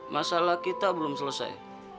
masalah kita belum selesai